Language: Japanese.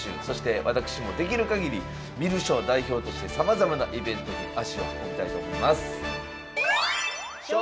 そして私もできるかぎり観る将代表としてさまざまなイベントに足を運びたいと思います。